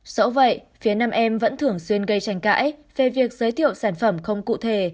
dẫu vậy phía nam em vẫn thường xuyên gây tranh cãi về việc giới thiệu sản phẩm không cụ thể